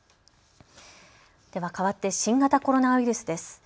では変わって新型コロナウイルスです。